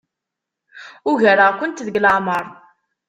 Ugareɣ-kent deg leɛmeṛ.